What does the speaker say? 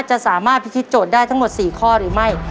จะสามารถพิธิจดได้ทั้งหมดสี่ข้อหรือไม่